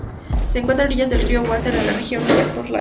Se encuentra a orillas del río Weser, en la región de Westfalia-Lippe.